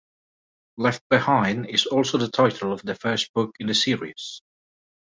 "Left Behind" is also the title of the first book in the series.